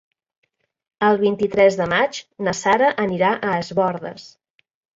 El vint-i-tres de maig na Sara anirà a Es Bòrdes.